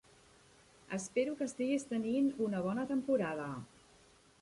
Espero que estiguis tenint una bona temporada.